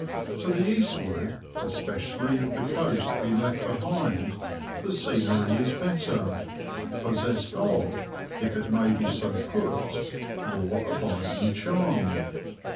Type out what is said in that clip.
To the eastward, especially if the coast be left behind, the scenery is better, possessed of, if it may be so put, more abiding charm.